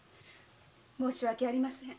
申し訳ありません。